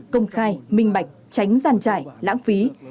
công khai minh bạch tránh gian trải lãng phí